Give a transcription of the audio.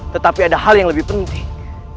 tetapi ada hal yang lebih penting